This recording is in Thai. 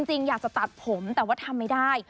จริงอยากจะตัดผมแต่ว่าทำไม่ได้